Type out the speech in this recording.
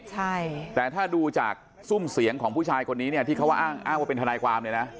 ใช่แต่ถ้าดูจากซุ่มเสียงของผู้ชายคนนี้เนี่ยที่เขาว่าอ้างอ้างว่าเป็นทนายความเนี่ยนะ